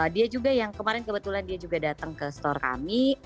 dia juga yang kemarin kebetulan dia juga datang ke store kami